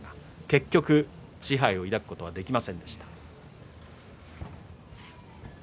結局賜盃をつかむことはできませんでした。